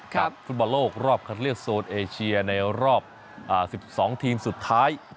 ครับฟุตบาลโลกรอบเขาเรียกโซนเอเชียในรอบอ่าสิบสองทีมสุดท้าย